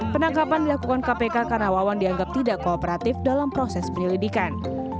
penangkapan dilakukan kpk karena wawan dianggap tidak kooperatif dalam proses penyelidikan